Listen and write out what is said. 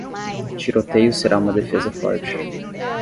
Tiroteio será uma defesa forte.